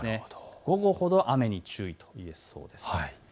午後ほど雨に注意といえそうです。